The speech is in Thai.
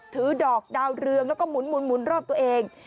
ถือดอกดาวเรืองแล้วก็หมุนรอบตัวเอง